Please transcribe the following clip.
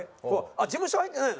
事務所入ってないの？